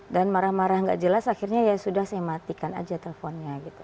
dan marah marah tidak jelas akhirnya saya matikan saja teleponnya